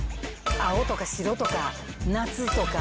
青とか白とか夏とか。